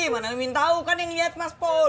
mana min tau kan yang lihat mas pur